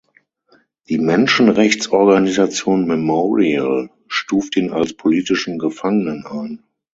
Die Menschenrechtsorganisation Memorial stuft ihn als politischen Gefangenen ein.